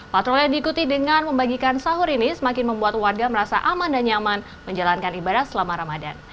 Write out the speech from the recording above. patrol yang diikuti dengan membagikan sahur ini semakin membuat warga merasa aman dan nyaman menjalankan ibadah selama ramadan